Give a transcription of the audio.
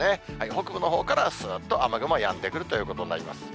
北部のほうからすーっと雨雲はやんでくるということになります。